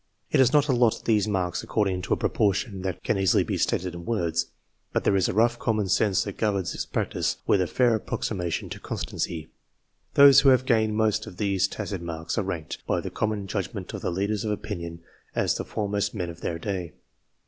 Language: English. It does not allot these marks according to a proportion that can easily be stated in words, but there is a rough common sense that governs its practice with a fair approximation to constancy. Those who have gained most of these tacit marks are ranked, by the common judgment of the leaders of opinion, as the foremost men of their day.